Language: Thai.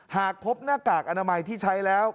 หากพบหน้ากากอนามัยที่ใช้แล้ว